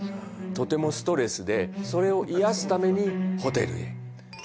とてもストレスでそれを癒やすためにホテルへ